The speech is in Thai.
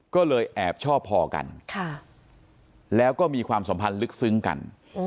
ก็เลยแอบชอบพอกันแล้วก็มีความสัมพันธ์ลึกซึ้งกัน